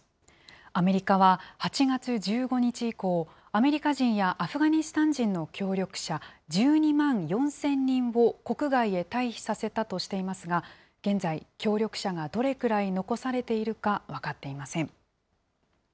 アメリカは８月１５日以降、アメリカ人やアフガニスタン人の協力者１２万４０００人を国外へ退避させたとしていますが、現在、協力者がどれくらい残されているか分かっていません。